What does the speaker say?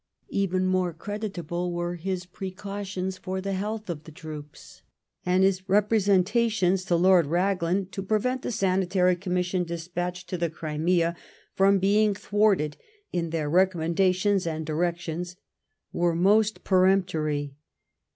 Even more creditable were his preoantions for the health of the troops; and his r^ presentations to Lord Baglan, to prevent the Sanitary Gommission despatched to the Crimea from being thwarted in their recommendations and directions, were most peremptory.